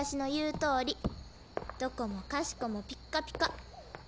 どこもかしこもピッカピカ。